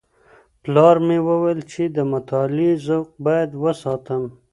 پلار مي وويل چي د مطالعې ذوق بايد وساتم.